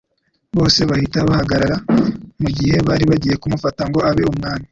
bose bahita bahagarara mu gihe bari bagiye kumufata ngo abe Umwami,